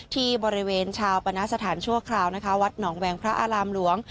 ที่บริเวณชาวปณสถานชั่วคราวนะคะวัดหนองแวงพระอารามหลวง